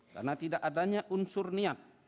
karena tidak adanya unsur niat